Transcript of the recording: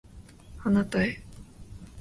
あなたへ